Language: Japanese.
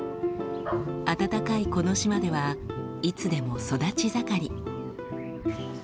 暖かいこの島ではいつでも育ち盛り。